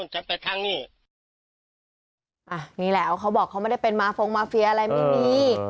ฉันก็บอกเจ๊ไปทางโน้นฉันไปทางนี้